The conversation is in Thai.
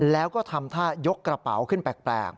แล้วก็ทำท่ายกกระเป๋าขึ้นแปลก